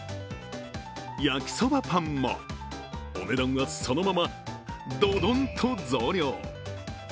焼きそばパンもお値段はそのままドドンと増量。